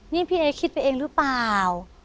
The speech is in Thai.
นี่พี่เอ๊คิดไปเองหรือเปล่า